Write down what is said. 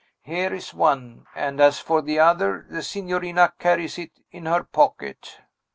Here is one; and as for the other, the signorina carlies it in her pocket."